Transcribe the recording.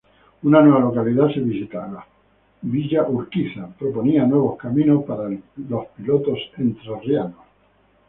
Una nueva localidad se visitaba: Villa Urquiza proponía nuevos caminos para los pilotos entrerrianos.